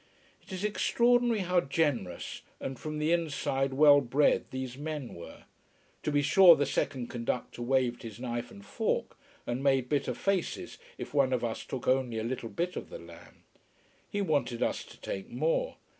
It is extraordinary how generous and, from the inside, well bred these men were. To be sure the second conductor waved his knife and fork and made bitter faces if one of us took only a little bit of the lamb. He wanted us to take more.